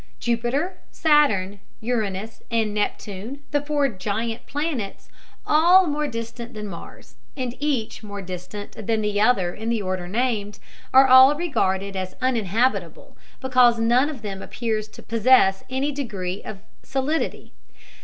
Jupiter, Saturn, Uranus, and Neptune, the four giant planets, all more distant than Mars, and each more distant than the other in the order named, are all regarded as uninhabitable because none of them appears to possess any degree of solidity.